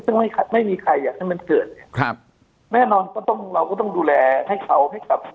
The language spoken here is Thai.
ซึ่งไม่ไม่มีใครอยากให้มันเกิดเลยครับแน่นอนก็ต้องเราก็ต้องดูแลให้เขาให้กับ